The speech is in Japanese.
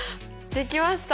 できました！